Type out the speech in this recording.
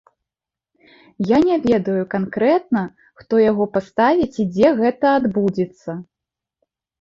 Я не ведаю канкрэтна, хто яго паставіць і дзе гэта адбудзецца.